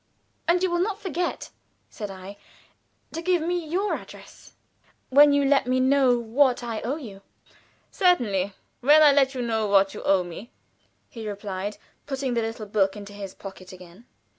"And you will not forget," said I, "to give me your address when you let me know what I owe you." "Certainly when I let you know what you owe me," he replied, putting the little book into his pocket again.